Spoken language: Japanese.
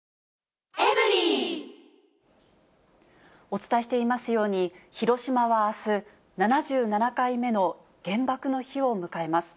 お伝えしていますように、広島はあす、７７回目の原爆の日を迎えます。